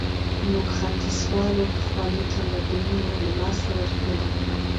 موږ ختیځوالو پخواني تمدنونه له لاسه ورکړي.